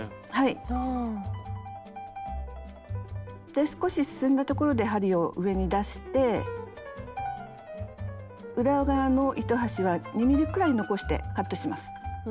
で少し進んだ所で針を上に出して裏側の糸端は２ｍｍくらい残してカットします。